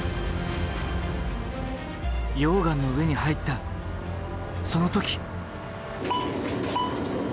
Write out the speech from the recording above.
溶岩の上に入ったその時！